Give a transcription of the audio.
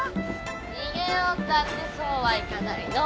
逃げようったってそうはいかないの！